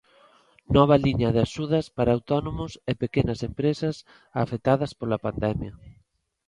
Nova liña de axudas para autónomos e pequenas empresas afectadas pola pandemia.